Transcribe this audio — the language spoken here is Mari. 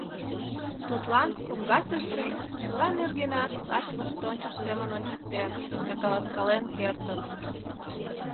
Тудлан коҥгасе шӱй чыла нергенат лач воштончыш семын ончыктен да каласкален кертын.